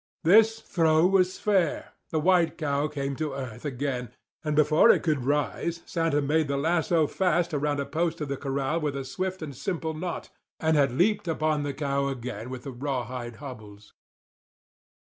This throw was fair; the white cow came to earth again; and before it could rise Santa had made the lasso fast around a post of the corral with a swift and simple knot, and had leaped upon the cow again with the rawhide hobbles.